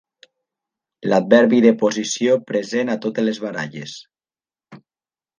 L'adverbi de posició present a totes les baralles.